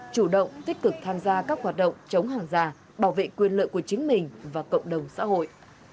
chủ động tích cực tham gia các hoạt động chống hàng giả bảo vệ quyền lợi của chính mình và cộng đồng xã hội